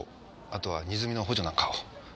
あとは荷積みの補助なんかを。